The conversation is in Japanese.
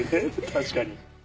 確かに。